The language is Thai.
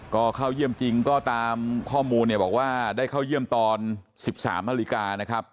ก็เข้าเยี่ยมจริงก็ตามข้อมูลเนี่ยบอกว่าได้เข้าเยี่ยมตอน๑๓นาฬิกานะครับ